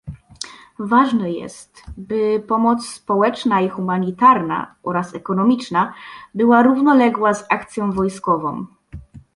Ważne jest, aby pomoc społeczna i humanitarna oraz ekonomiczna była równoległa z akcją wojskową